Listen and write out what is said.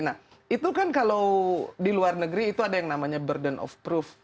nah itu kan kalau di luar negeri itu ada yang namanya burden of proof